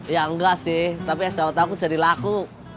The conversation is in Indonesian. ya enggak sih tapi es dawat aku jadi laku